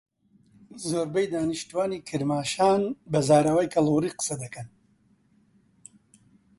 زۆربەی دانیشتووانی کرماشان بە زاراوەی کەڵهوڕی قسەدەکەن.